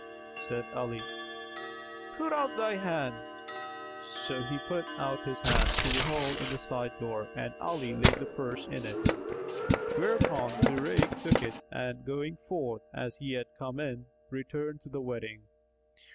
Said Ali, "Put out thy hand." So he put out his hand through the hole in the side door and Ali laid the purse in it; whereupon Zurayk took it and going forth, as he had come in, returned to the wedding.